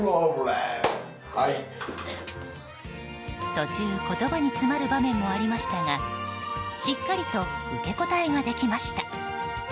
途中、言葉に詰まる場面もありましたがしっかりと受け答えができました。